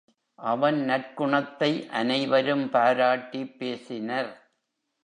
அவன் நற்குணத்தை அனைவரும் பாராட்டிப் பேசினர்.